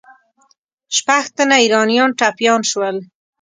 شپږ تنه ایرانیان ټپیان سول.